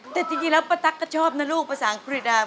แต่จริงแล้วป้าตั๊กก็ชอบนะลูกภาษาอังกฤษดา